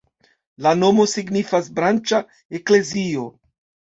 La nomo signifas branĉa-eklezio.